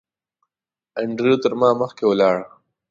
انډریو تر ما مخکې ولاړ.